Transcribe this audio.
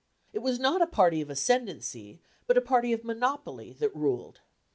It was not a party of ascendency, but a party of monopoly, that ruled.